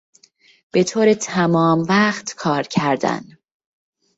به طور تمام وقت کار کردن